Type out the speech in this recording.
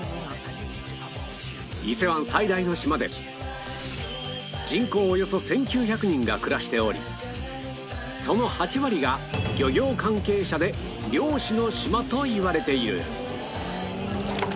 伊勢湾最大の島で人口およそ１９００人が暮らしておりその８割が漁業関係者で漁師の島といわれている